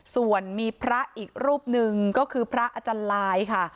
ส่วนมีพระอีกรูปหนึ่งก็คือพระอาจารย์ลายค่ะ